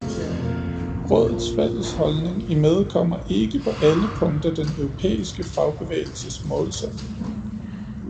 Rådets fælles holdning imødekommer ikke på alle punkter den europæiske fagbevægelses målsætninger.